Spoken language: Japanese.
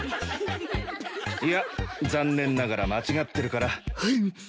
いや残念ながら間違ってるから。